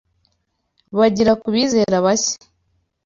bagira ku bizera bashya?